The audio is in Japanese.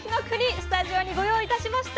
スタジオにご用意いたしました。